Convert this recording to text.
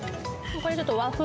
これちょっと和風